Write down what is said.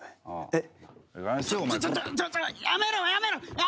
えっ？